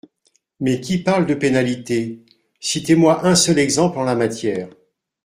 Mais qui parle de pénalités ? Citez-moi un seul exemple en la matière.